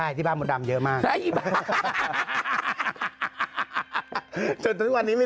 อยากดูว่ากฎไหม